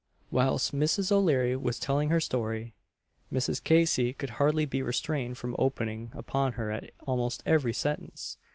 Whilst Mrs. O'Leary was telling her story, Mrs. Casey could hardly be restrained from opening upon her at almost every sentence.